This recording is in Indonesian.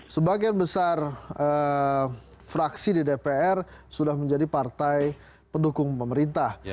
sebagian besar fraksi di dpr sudah menjadi partai pendukung pemerintah